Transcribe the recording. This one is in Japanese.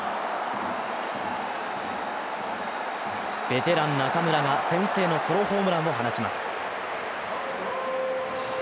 ベテラン・中村が先制のソロホームランを放ちます。